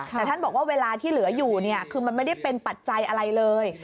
แต่ท่านบอกว่าเวลาที่เหลืออยู่เนี่ยคือมันไม่ได้เป็นปัจจัยอะไรเลย